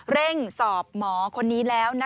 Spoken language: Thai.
เร่งสอบหมอคนนี้แล้ว